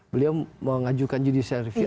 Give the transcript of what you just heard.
beliau mengajukan judicial review